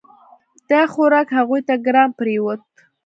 دا خوراک هغوی ته ګران پریوت.